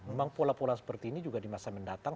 memang pola pola seperti ini juga di masa mendatang